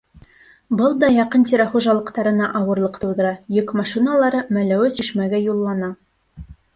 Был да яҡын-тирә хужалыҡтарына ауырлыҡ тыуҙыра — йөк машиналары Мәләүез, Шишмәгә юллана.